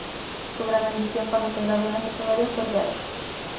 Su gran ambición cuando se graduó en la secundaria fue el teatro.